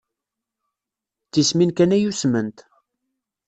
D tismin kan ay usment.